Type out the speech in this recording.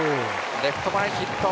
レフト前ヒット。